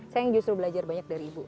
saya yang justru belajar banyak dari ibu